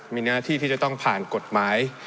มีหน้าที่ที่จะต้องผ่านกฎหมาย